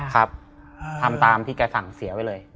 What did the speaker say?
ครับทำตามที่แกสั่งเสียไว้เลย